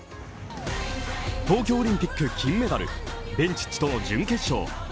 東京オリンピック金メダル、ベンチッチとの準決勝。